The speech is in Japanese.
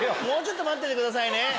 もうちょっと待っててくださいね。